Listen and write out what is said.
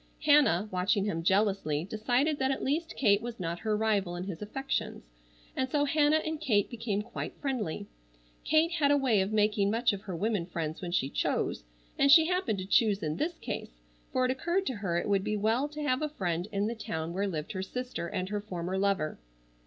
Hannah, watching him jealously, decided that at least Kate was not her rival in his affections, and so Hannah and Kate became quite friendly. Kate had a way of making much of her women friends when she chose, and she happened to choose in this case, for it occurred to her it would be well to have a friend in the town where lived her sister and her former lover.